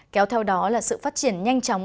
kéo theo đó là sự phát triển nhanh chóng